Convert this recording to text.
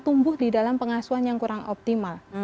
tumbuh di dalam pengasuhan yang kurang optimal